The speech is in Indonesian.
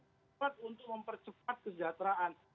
cepat untuk mempercepat kesejahteraan